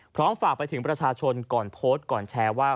ฝากไปถึงประชาชนก่อนโพสต์ก่อนแชร์ว่า